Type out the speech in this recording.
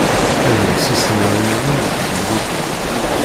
Ad d-ssisneɣ iman-iw deg temlilit.